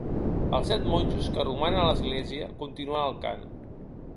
Els set monjos que romanen a l'església continuen el cant.